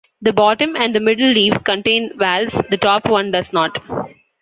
The bottom and the middle leaves contain valves, the top one does not.